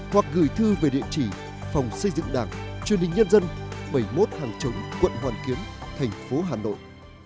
hoặc gửi thư về địa chỉ phòng xây dựng đảng truyền hình nhân dân bảy mươi một hàng trống quận hoàn kiến tp hà nội